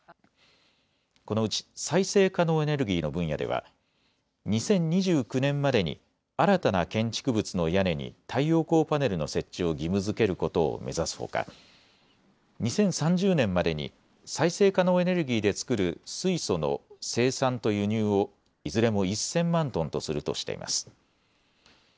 このうち再生可能エネルギーの分野では２０２９年までに新たな建築物の屋根に太陽光パネルの設置を義務づけることを目指すほか２０３０年までに再生可能エネルギーで作る水素の生産と輸入をいずれも１０００万トンとするとしています。